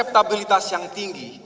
kader yang memiliki kapasitas yang tinggi